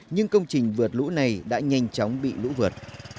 nhưng công trình vượt lũ này đã nhanh chóng bị lũ vượt